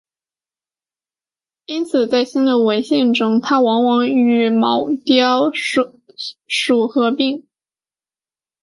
因此在新的文献中它往往与隼雕属合并。